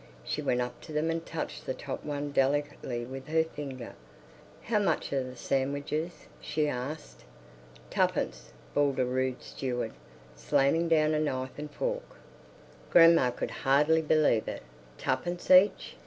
She went up to them and touched the top one delicately with her finger. "How much are the sandwiches?" she asked. "Tuppence!" bawled a rude steward, slamming down a knife and fork. Grandma could hardly believe it. "Twopence each?"